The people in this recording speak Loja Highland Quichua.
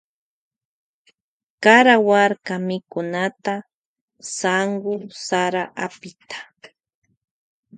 Karawarka mikunata sanwu sara apita.